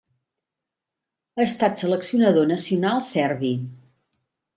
Ha estat seleccionador nacional serbi.